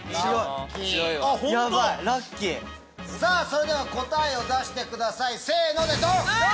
それでは答えを出してくださいせのでドン！